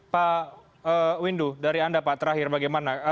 pak windu dari anda pak terakhir bagaimana